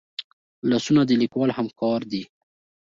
لاسونه د لیکوال همکار دي